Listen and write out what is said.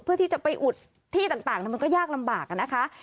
เพื่อที่จะไปอุดที่ต่างมันก็ยากลำบากนะคะ